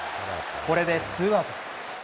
これでツーアウト。